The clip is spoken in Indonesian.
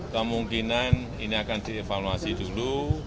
kemungkinan ini akan dievaluasi dulu